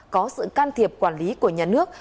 có sự can thiệp quản lý của nhà nước